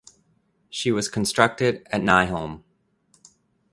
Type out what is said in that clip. She was constructed at Nyholm.